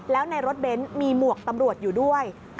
แล้วในรถเบนท์มีหมวกตำรวจอยู่ด้วย